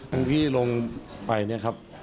ที่ลงไปเนี่ยครับ